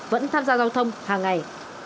vẫn tham gia giao thông hàng ngày